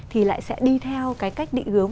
thì lại sẽ đi theo cái cách định hướng